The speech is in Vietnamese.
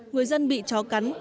người dân bị chó cắn